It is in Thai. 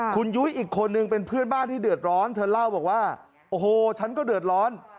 คุณยุ้ยอีกคนนึงเป็นเพื่อนบ้านที่เดือดร้อนเธอเล่าบอกว่าโอ้โหฉันก็เดือดร้อน